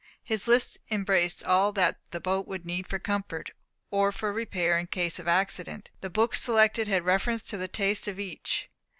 His list embraced all that the boat would need for comfort, or for repair in case of accident. The books selected had reference to the taste of each.